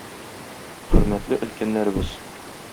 Хөрмәтле өлкәннәребез!